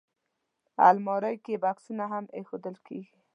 الماري کې بکسونه هم ایښودل کېږي